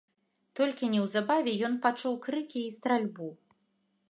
Толькі неўзабаве ён пачуў крыкі і стральбу.